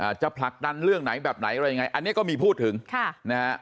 จะผลักดันเรื่องไหนแบบไหนอะไรยังไงอันนี้ก็มีพูดถึงค่ะนะฮะ